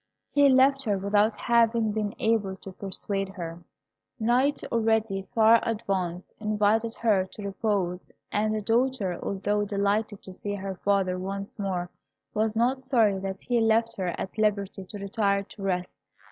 He left her without having been able to persuade her. Night, already far advanced, invited her to repose, and the daughter, although delighted to see her father once more, was not sorry that he left her at liberty to retire to rest.